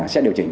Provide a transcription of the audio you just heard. sẽ điều chỉnh